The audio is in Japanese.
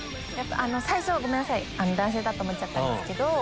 最初ごめんなさい男性だと思っちゃったんですけど。